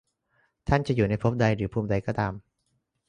ท่านจะอยู่ภพใดหรือภูมิใดก็ตาม